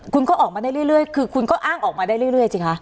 คุณก็ออกมาได้เรื่อยคือคุณก็อ้างออกมาได้เรื่อยสิคะ